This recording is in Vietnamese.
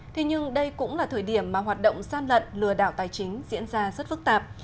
thế nhưng đây cũng là thời điểm mà hoạt động gian lận lừa đảo tài chính diễn ra rất phức tạp